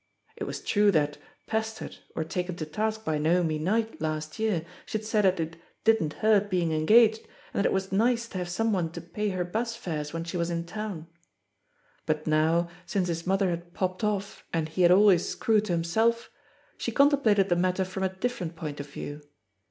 It was true that, pestered, or taken to task by Naomi S^night last year, she had said that it "didn't hurt being engaged, and that it was nice to have some one to pay her bus fares when she was in town"; but now, since his mother had "popped off and he had all his screw to himself," she contem plated the matter from a different point of view.